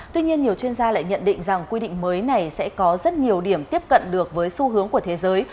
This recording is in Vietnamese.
tuy nhiên nhiều chuyên gia lại nhận định rằng quy định mới này sẽ có rất nhiều điểm tiếp cận được với xu hướng của thế giới